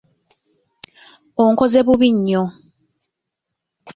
Onkoze bubi nnyo!